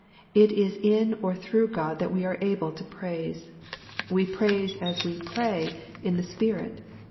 It is in or through God that we are able to praise. We praise as well as pray in the Spirit.